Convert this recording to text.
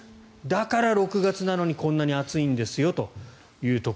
だから６月なのにこんなに暑いんですよと。